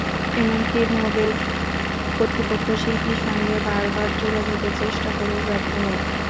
এমনকি নোবেল কর্তৃপক্ষ শিল্পীর সঙ্গে বারবার যোগাযোগের চেষ্টা করেও ব্যর্থ হয়।